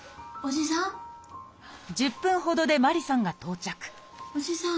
１０分ほどでマリさんが到着おじさん！